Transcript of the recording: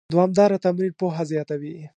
دوامداره تمرین پوهه زیاتوي.